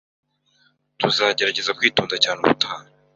Tuzagerageza kwitonda cyane ubutaha.